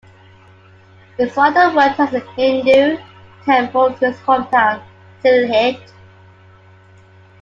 His father worked at a Hindu temple in his hometown, Sylhet.